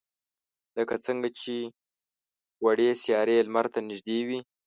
لکه څنگه چې وړې سیارې لمر ته نږدې وي.